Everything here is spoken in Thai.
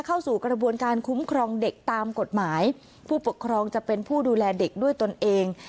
เข้าสู่กระบวนการคุ้มครองเด็กตามกฎหมายผู้ปกครองจะเป็นผู้ดูแลเด็กด้วยตนเอง